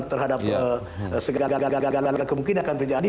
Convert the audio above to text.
terhadap segala gala kemungkinan yang akan terjadi